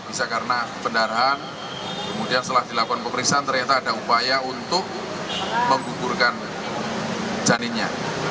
bisa karena pendarahan kemudian setelah dilakukan pemeriksaan ternyata ada upaya untuk menggugurkan janinnya